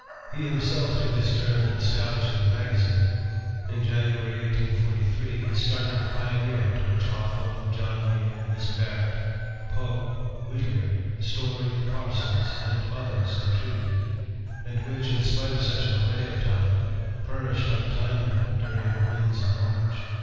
He himself took his turn in establishing a magazine. In January, 1843, he started The Pioneer, to which Hawthorne, John Neal, Miss Barrett, Poe, Whittier, Story, Parsons, and others contributed, and which, in spite of such an array of talent, perished untimely during the winds of March.